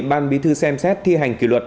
ban bí thư xem xét thi hành kiểu luật